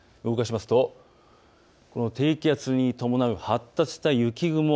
動かしますと低気圧に伴う発達した雪雲